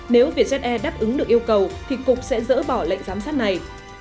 nếu vietjet air đáp ứng được yêu cầu thì cục sẽ dỡ bỏ lệnh giám sát này